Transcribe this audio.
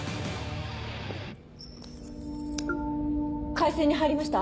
回線に入りました。